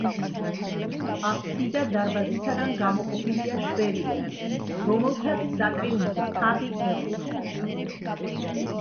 აბსიდა დარბაზისაგან გამოყოფილია შვერილებით, რომელთაც სატრიუმფო თაღი ეყრდნობოდა.